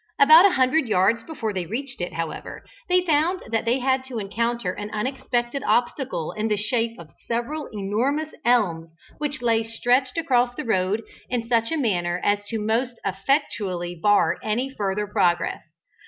About a hundred yards before they reached it, however, they found that they had to encounter an unexpected obstacle in the shape of several enormous elms which lay stretched across the road in such a manner as to most effectually bar any further progress.